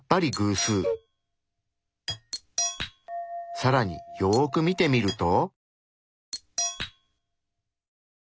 さらによく見てみると。